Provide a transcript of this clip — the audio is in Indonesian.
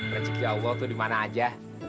rezeki allah tuh dimana aja